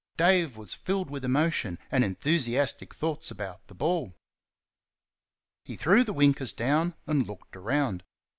Dave was filled with emotion and enthusiastic thoughts about the ball. He threw the winkers down and looked around.